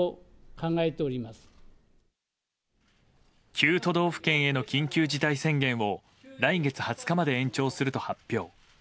９都道府県への緊急事態宣言を来月２０日まで延長すると発表。